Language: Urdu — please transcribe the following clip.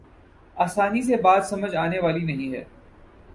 آسانی سے بات سمجھ آنے والی نہیں ہے۔